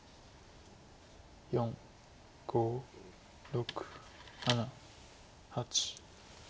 ４５６７８。